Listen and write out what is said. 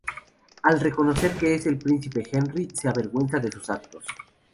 Al reconocer que es el Príncipe Henry, se avergüenza de sus actos.